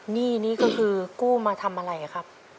หนี้นี่ก็คือกู้มาทำอะไรครับ